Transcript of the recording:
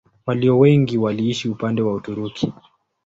Walio wengi waliishi upande wa Uturuki.